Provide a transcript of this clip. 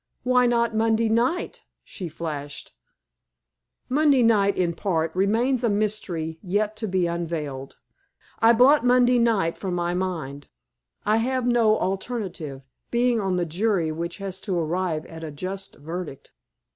"Why not Monday night?" she flashed. "Monday night, in part, remains a mystery yet to be unveiled. I blot Monday night from my mind. I have no alternative, being on the jury which has to arrive at a just verdict.